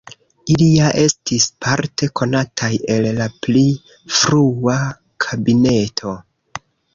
Ili ja estis parte konataj el la pli frua kabineto.